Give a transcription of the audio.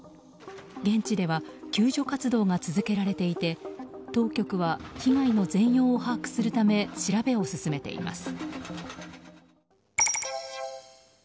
現地では救助活動が続けられていて当局は被害の全容を把握するため調べを進めています。